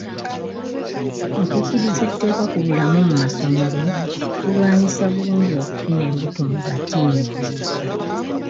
Okukkiriza etteeka ku bulamu mu masomero kulwanyisa bulungi okufuna embuto mu batiini.